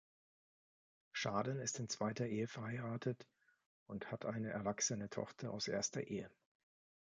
Schaden ist in zweiter Ehe verheiratet und hat eine erwachsene Tochter aus erster Ehe.